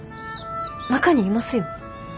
中にいますよ。